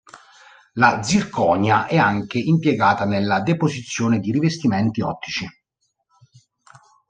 La zirconia è anche impiegata nella deposizione di rivestimenti ottici.